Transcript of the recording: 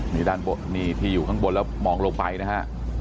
นี่ที่อยู่ข้างบนแล้วมองลงไปนะฮะ